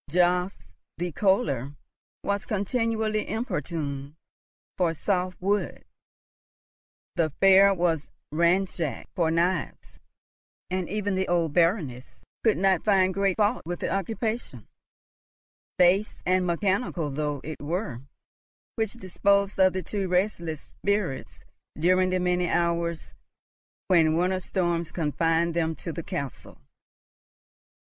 Jobst the Kohler was continually importuned for soft wood; the fair was ransacked for knives; and even the old Baroness could not find great fault with the occupation, base and mechanical though it were, which disposed of the two restless spirits during the many hours when winter storms confined them to the castle.